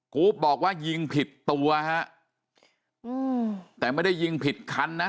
รูปบอกว่ายิงผิดตัวฮะอืมแต่ไม่ได้ยิงผิดคันนะ